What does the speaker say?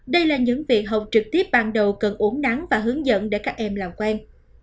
đây là những việc học trực tiếp ban đầu cần uống nắng và hướng dẫn để các em làm quen